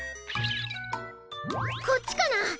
こっちかな？